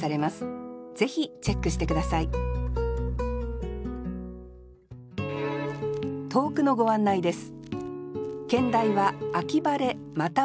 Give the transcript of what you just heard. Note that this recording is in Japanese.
ぜひチェックして下さい投句のご案内です